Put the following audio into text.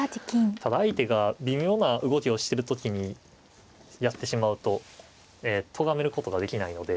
ただ相手が微妙な動きをしてる時にやってしまうととがめることができないので。